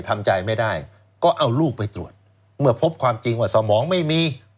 ทำใจไม่ได้ก็เอาลูกไปตรวจเมื่อพบความจริงว่าสมองไม่มี